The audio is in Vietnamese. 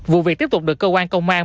vụ việc tiếp tục được cơ quan công an